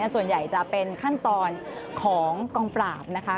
ส่วนใหญ่จะเป็นขั้นตอนของกองปราบนะคะ